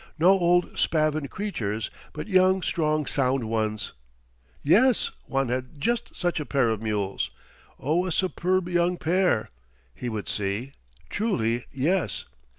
No old spavined creatures, but young, strong, sound ones. Yes, Juan had just such a pair of mules. Oh, a superb young pair! He would see. Truly yes.